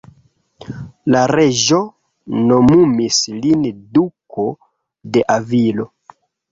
La reĝo nomumis lin Duko de Avilo.